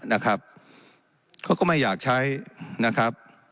นะครับเขาก็ไม่อยากใช้นะครับ